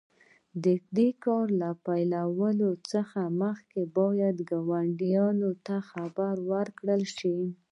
د کار پیلولو څخه مخکې باید ګاونډیانو ته خبر ورکړل شي.